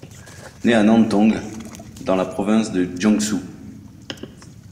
Né à Nantong, dans la province de Jiangsu.